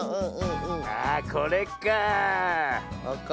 あこれかあ。